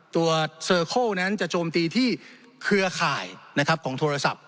ตัวเซอร์โคลนั้นจะโจมตีที่เครือข่ายนะครับของโทรศัพท์